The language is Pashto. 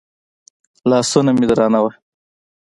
لاسونه مې درانه وو.